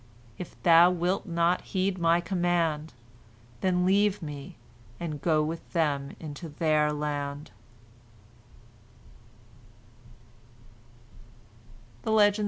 If thou wilt not heed my command, then leave me and go with them into their land."